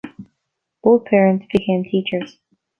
Both parents became teachers.